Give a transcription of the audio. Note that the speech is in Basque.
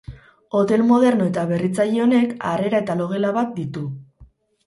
Hotel moderno eta berritzaile honek, harrera eta logela bat ditu.